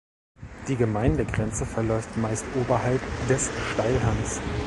Die Gemeindegrenze verläuft meist oberhalb des Steilhangs.